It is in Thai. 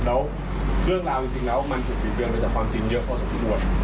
แล้วเรื่องราวจริงแล้วมันถูกมีเบื้องมาจากความจริงเรื่องโฆษณ์ที่รวด